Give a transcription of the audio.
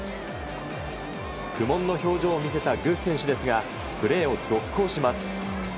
苦悶の表情を見せたグ選手ですがプレーを続行します。